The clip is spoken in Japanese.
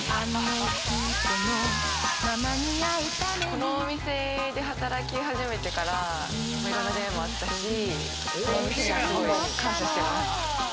このお店で働き始めてからいろんな出会いもあったし、このお店にはすごい感謝してます。